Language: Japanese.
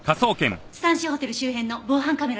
スタンシーホテル周辺の防犯カメラの映像を。